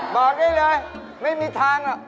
บอกได้เลยไม่มีทาง